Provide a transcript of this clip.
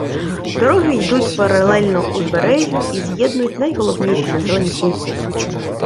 Дороги йдуть паралельно узбережжю і з'єднують найголовніші населені пункти.